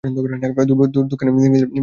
দূর দক্ষিণের Mrs Jo Johnson.